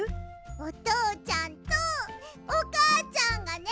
おとうちゃんとおかあちゃんがね